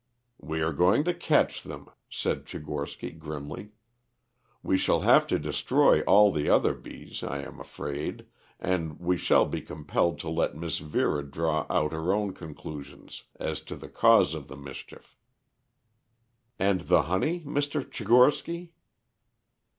"We are going to catch them," said Tchigorsky grimly. "We shall have to destroy all the other bees, I am afraid, and we shall be compelled to let Miss Vera draw her own conclusions as to the cause of the mischief." "And the honey, Mr. Tchigorsky?"